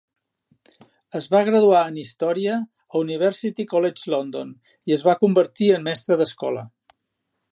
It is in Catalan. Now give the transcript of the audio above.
Es va graduar en Història a University College London i es va convertir en mestre d'escola.